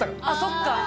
あっそっか！